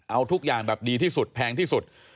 เอาทุกอย่างแบบดีที่สุดแพงที่สุด